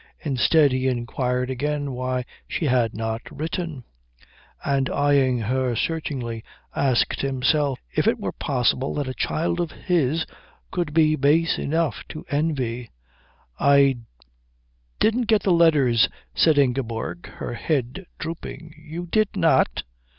Instead, he inquired again why she had not written; and eyeing her searchingly asked himself if it were possible that a child of his could be base enough to envy. "I didn't get the letters," said Ingeborg, her head drooping. "You did not?